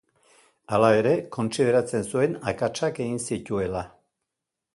Hala ere, kontsideratzen zuen akatsak egin zituela.